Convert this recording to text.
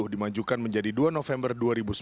dimajukan menjadi dua november dua ribu sembilan belas